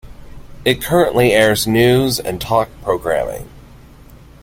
It currently airs news and talk programming.